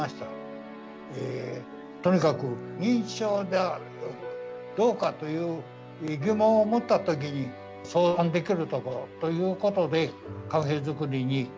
とにかく認知症だどうかという疑問を持った時に相談できるところということでカフェ作りに奔走したわけです。